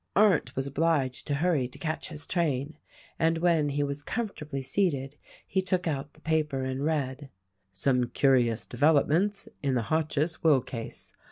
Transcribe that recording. Arndt was obliged to hurry to catch his train, and when he was comfortably seated he took out the paper and read : "Some curious developments in the Hotchiss will case.